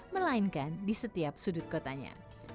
melainkan di setiap sudut kotanya